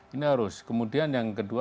ini harus kemudian yang kedua